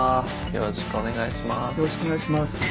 よろしくお願いします。